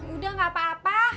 udah gak apa apa